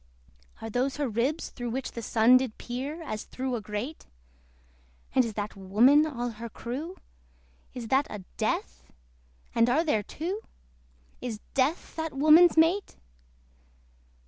Are those her ribs through which the Sun Did peer, as through a grate? And is that Woman all her crew? Is that a DEATH? and are there two? Is DEATH that woman's mate?